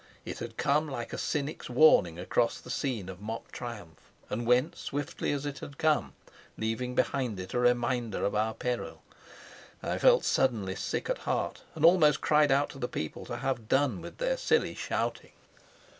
It had come like a cynic's warning across the scene of mock triumph, and went swiftly as it had come, leaving behind it a reminder of our peril. I felt suddenly sick at heart, and almost cried out to the people to have done with their silly shouting.